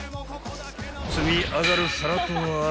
［積み上がる皿と網］